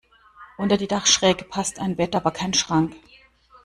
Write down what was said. Unter die Dachschräge passt ein Bett, aber kein Schrank.